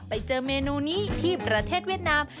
เมนูนี้ที่ประเทศเวียดนาม